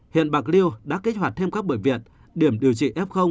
hiện bạc liêu đã kích hoạt thêm các bệnh viện điểm điều trị f